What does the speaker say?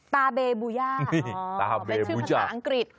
เบบูย่าเป็นชื่อภาษาอังกฤษ